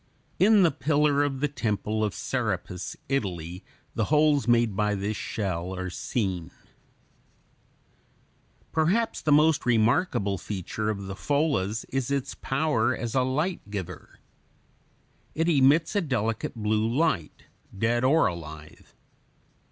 In the pillar of the temple of Serapis, Italy, the holes made by this shell are seen. [Illustration: FIG. 90. Hammer oyster.] Perhaps the most remarkable feature of the pholas is its power as a light giver. It emits a delicate blue light, dead or alive.